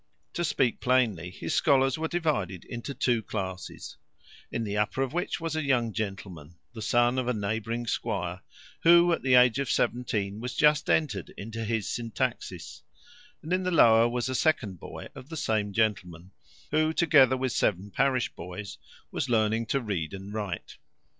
To speak plainly, his scholars were divided into two classes: in the upper of which was a young gentleman, the son of a neighbouring squire, who, at the age of seventeen, was just entered into his Syntaxis; and in the lower was a second son of the same gentleman, who, together with seven parish boys, was learning to read and write.